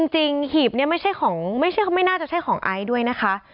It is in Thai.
จริงหีบนี้ไม่ใช่ของไม่น่าจะใช่ของไอซ์ด้วยนะคะ